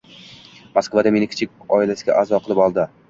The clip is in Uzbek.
Moskvada meni kichik oilasiga aʼzo qilib oldi.